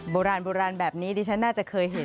โบราณโบราณแบบนี้ดิฉันน่าจะเคยเห็น